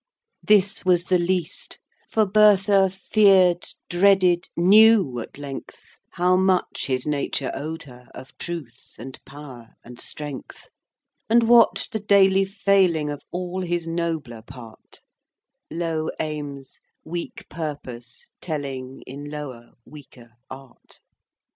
XI. This was the least; for Bertha Fear'd, dreaded, knew at length, How much his nature owed her Of truth, and power, and strength; And watch'd the daily failing Of all his nobler part: Low aims, weak purpose, telling In lower, weaker art.